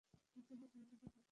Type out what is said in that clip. কোনো চিহ্ন ছাড়াই তাকে শেষ করে দে।